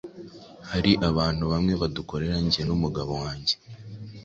Hari abantu bamwe badukorera njye n’umugabo wanjye